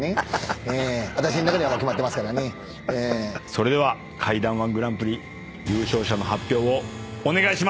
それでは怪談−１グランプリ優勝者の発表をお願いします！